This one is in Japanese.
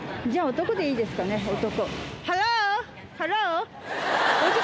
じゃあ、男でいいですかね、男。